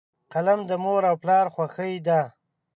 قلم د مور او پلار خوښي ده.